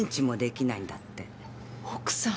奥さん。